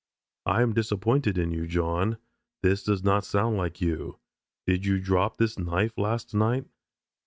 I am disappointed in you, John. This does not sound like you. Did you drop this knife last night?"